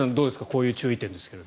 こういう注意点ですが。